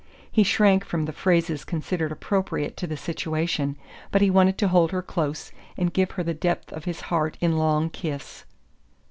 He shrank from the phrases considered appropriate to the situation, but he wanted to hold her close and give her the depth of his heart in long kiss.